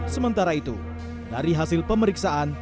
sementara itu dari hasil pemeriksaan